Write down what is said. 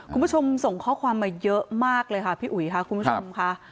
คุณผู้ชมส่งข้อความมาเยอะมากเลยค่ะพี่อุ๋ยค่ะคุณผู้ชมค่ะ